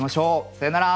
さよなら。